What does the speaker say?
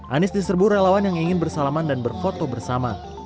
anies diserbu relawan yang ingin bersalaman dan berfoto bersama